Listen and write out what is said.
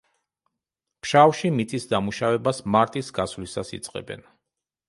ფშავში მიწის დამუშავებას მარტის გასვლისას იწყებენ.